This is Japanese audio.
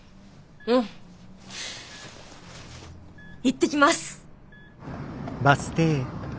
うん。いってきます。